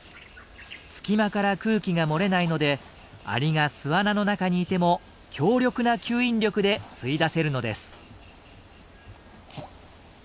隙間から空気が漏れないのでアリが巣穴の中にいても強力な吸引力で吸い出せるのです。